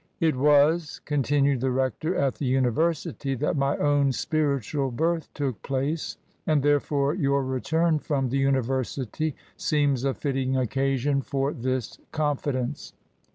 "It was," continued the rector, "at the University that my own spiritual birth took place, and therefore your return from the University seems a fitting occasion for this confidence.